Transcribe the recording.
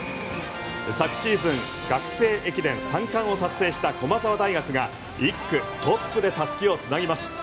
昨シーズン学生駅伝３冠を達成した駒澤大学が１区トップでたすきを繋ぎます。